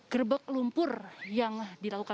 gerbek lumpur yang dilakukan